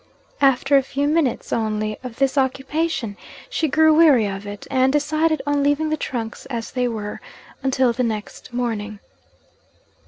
After a few minutes only of this occupation, she grew weary of it, and decided on leaving the trunks as they were, until the next morning.